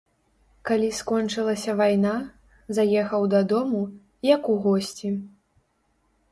Калі скончылася вайна, заехаў дадому, як у госці.